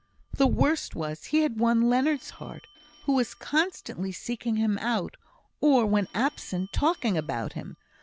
The worst was, he had won Leonard's heart, who was constantly seeking him out; or, when absent, talking about him.